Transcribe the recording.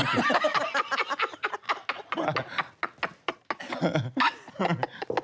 กลับมา